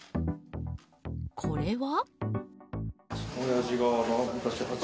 これは？